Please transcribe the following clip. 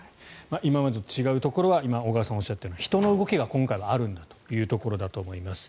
今までと違うところは今小川さんがおっしゃったような人の動きが今回はあるんだというところだと思います。